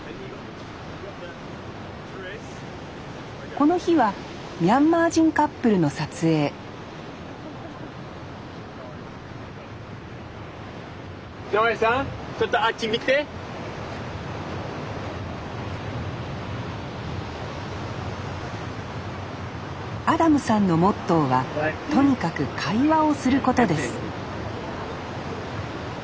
この日はミャンマー人カップルの撮影アダムさんのモットーはとにかく会話をすることです